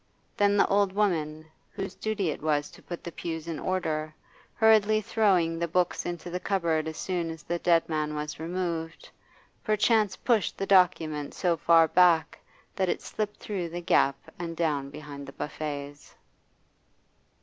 Then the old woman, whose duty it was to put the pews in order, hurriedly throwing the books into the cupboard as soon as the dead man was removed, perchance pushed the document so far back that it slipped through the gap and down behind the buffets.